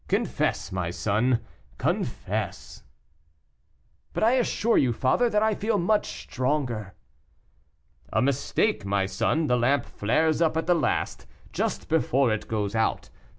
Confess, my son, confess." "But I assure you, father, that I feel much stronger." "A mistake, my son, the lamp flares up at the last, just before it goes out.